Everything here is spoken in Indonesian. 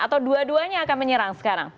atau dua duanya akan menyerang sekarang